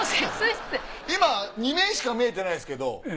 今２面しか見えてないですけど